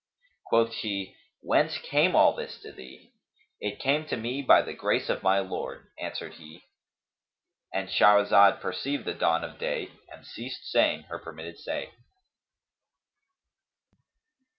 Quoth she, "Whence came all this to thee?" "It came to me by the grace of my Lord," answered he:—And Shahrazad perceived the dawn of day and ceased saying her permitted say.